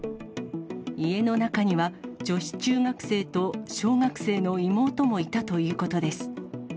家の中には、女子中学生と小学生の妹もいたということです。